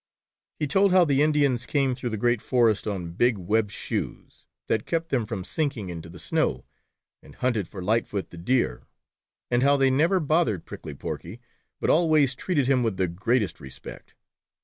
He told how the Indians came through the great forest on big webbed shoes, that kept them from sinking into the snow, and hunted for Lightfoot the Deer, and how they never bothered Prickly Porky, but always treated him with the greatest respect.